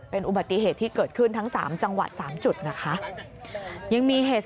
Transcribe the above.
เป็นอุบัติเหตุที่เกิดขึ้นทั้ง๓จังหวัด๓จุดนะคะ